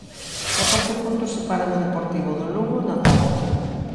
Catorce puntos separan o Deportivo do Lugo na táboa.